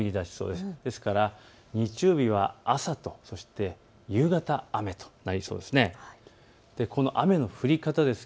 ですから日曜日は朝と、そして夕方、雨となりそうです。